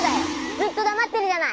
ずっとだまってるじゃない！